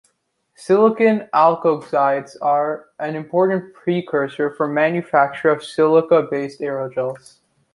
Silicon alkoxides are an important precursor for manufacture of silica-based aerogels.